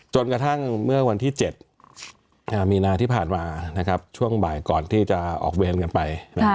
จนกระทั่งเมื่อวันที่๗มีนาที่ผ่านมาช่วงบ่ายก่อนที่จะออกเวรกันไป